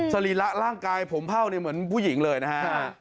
สรีระร่างกายผมเผ่าเนี่ยเหมือนผู้หญิงเลยนะฮะ